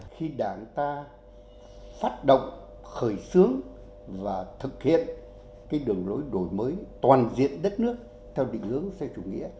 khi đảng ta phát động khởi xướng và thực hiện cái đường lối đổi mới toàn diện đất nước theo định hướng xe chủ nghĩa